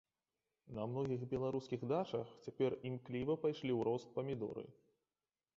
На многіх беларускіх дачах цяпер імкліва пайшлі ў рост памідоры.